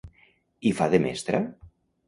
I fa de mestra?